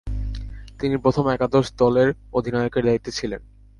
তিনি প্রথম একাদশ দলের অধিনায়কের দায়িত্বে ছিলেন।